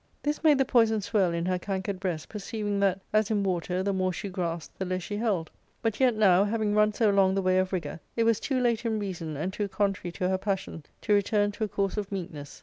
This made the poison swell in her cankered breast, per ceiving that, as in water, the more she grasped the less she held ; but yet now, having rim ;so long the way of rigour, it was too late in reason, and too contrary to her passion, to return to a course of meekness.